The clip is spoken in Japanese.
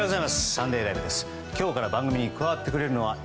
「サンデーＬＩＶＥ！！」